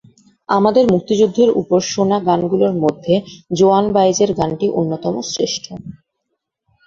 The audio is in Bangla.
আমাদের মুক্তিযুদ্ধের ওপর শোনা গানগুলোর মধ্যে জোয়ান বায়েজের গানটি অন্যতম শ্রেষ্ঠ।